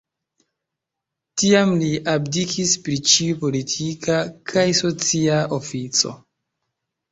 Tiam li abdikis pri ĉiu politika kaj socia ofico.